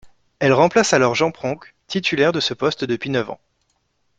Elle remplace alors Jan Pronk, titulaire de ce poste depuis neuf ans.